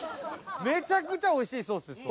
めちゃくちゃおいしいソースです。